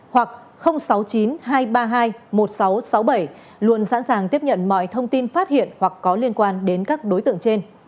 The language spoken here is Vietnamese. hoặc sáu mươi chín hai trăm ba mươi hai một nghìn sáu trăm sáu mươi bảy luôn sẵn sàng tiếp nhận mọi thông tin phát hiện hoặc có liên quan đến các đối tượng trên